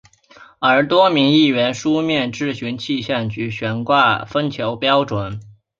而多名议员书面质询气象局悬挂风球标准。